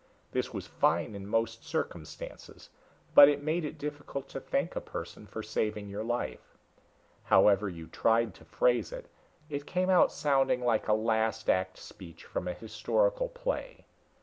This was fine in most circumstances, but made it difficult to thank a person for saving your life. However you tried to phrase it, it came out sounding like a last act speech from a historical play.